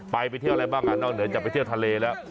ไปไปเที่ยวอะไรบ้างอ่ะนอกเหนือจากไปเที่ยวทะเลแล้ว